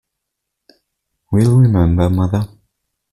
We'll remember, mother!